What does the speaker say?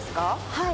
はい。